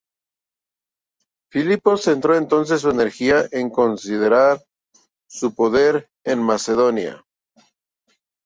Filipo centró entonces sus energías en consolidar su poder en Macedonia.